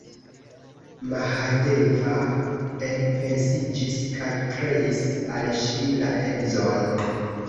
Mahadeva enpensiĝis kaj kreis al ŝi la edzon!